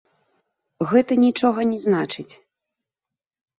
Гэта нічога не значыць.